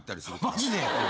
マジで？